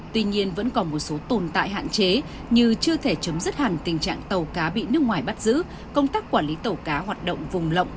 tuy nhiên vẫn còn một số tồn tại hạn chế như chưa thể chấm dứt hẳn tình trạng tàu cá bị nước ngoài bắt giữ công tác quản lý tàu cá hoạt động vùng lộng